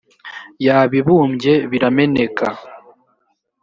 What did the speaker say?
yabibumbye birameneka.